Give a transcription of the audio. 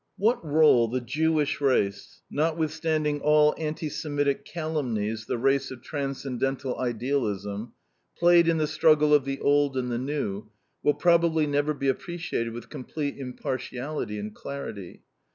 What role the Jewish race notwithstanding all anti semitic calumnies the race of transcendental idealism played in the struggle of the Old and the New will probably never be appreciated with complete impartiality and clarity.